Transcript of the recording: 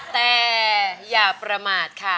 แต่อย่าประมาทค่ะ